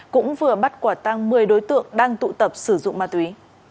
cũng vừa bắt quả tăng một mươi đối tượng đang tụ tập sử dụng ma túy